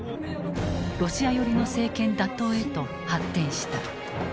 ロシア寄りの政権打倒へと発展した。